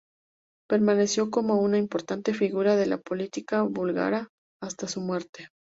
Permaneció como una importante figura de la política búlgara hasta su muerte.